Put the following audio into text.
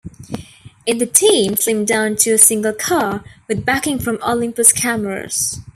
In the team slimmed down to a single car, with backing from Olympus Cameras.